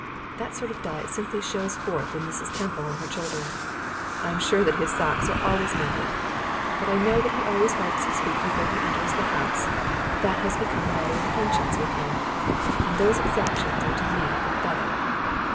That sort of diet simply shows forth in Mrs. Temple and her children. I am sure that his socks are always mended, but I know that he always wipes his feet before he enters the house, that it has become a matter of conscience with him; and those exactions are to me pathetic.